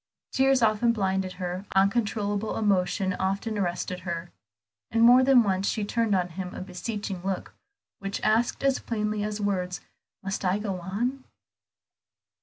Tears often blinded her, uncontrollable emotion often arrested her; and more than once she turned on him a beseeching look, which asked as plainly as words, "Must I go on?"